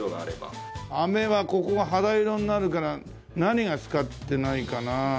あめはここが肌色になるから何が使ってないかな？